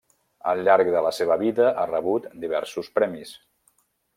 Al llarg de la seva vida ha rebut diversos premis.